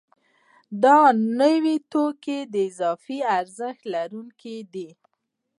دا نوي توکي د اضافي ارزښت لرونکي دي